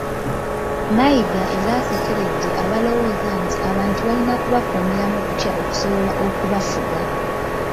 Mayiga era asekeredde abalowooza nti abantu balina kubakuumira mu kutya okusobola okubafuga.